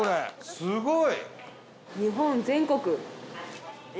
すごーい！